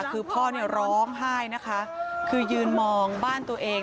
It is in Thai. คือพ่อเนี่ยร้องไห้นะคะคือยืนมองบ้านตัวเอง